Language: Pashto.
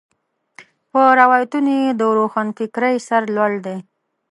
پر روایتونو یې د روښنفکرۍ سر لوړ دی.